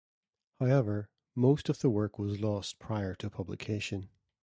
However, most of the work was lost prior to publication.